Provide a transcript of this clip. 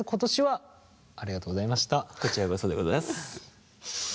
こちらこそでございます。